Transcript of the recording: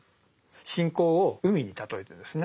信仰を海に例えてですね